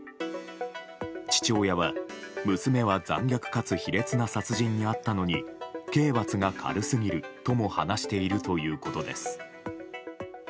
父親は娘は残虐かつ卑劣な殺人にあったのに刑罰が軽すぎるとも話しているということです。